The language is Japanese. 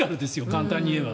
簡単に言えば。